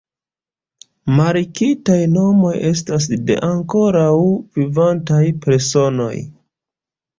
Markitaj nomoj estas de ankoraŭ vivantaj personoj.